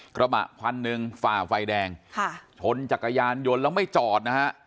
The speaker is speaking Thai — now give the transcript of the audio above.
กระบะคันหนึ่งฝ่าไฟแดงค่ะชนจักรยานยนต์แล้วไม่จอดนะฮะ